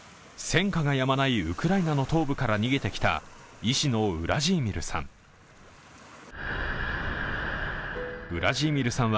戦火がやまないウクライナの東部から逃げてきた医師のウラジーミルさん。